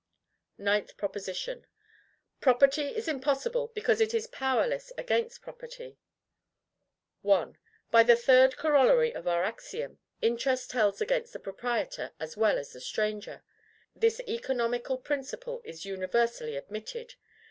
NINTH PROPOSITION. Property is impossible, because it is powerless against Property. I. By the third corollary of our axiom, interest tells against the proprietor as well as the stranger. This economical principle is universally admitted.